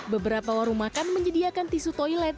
beberapa warung makan menyediakan tisu toilet